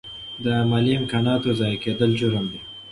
د مالي امکاناتو ضایع کیدل جرم دی.